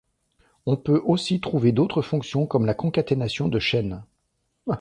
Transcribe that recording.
On peut aussi trouver d’autres fonctions comme la concaténation de chaines.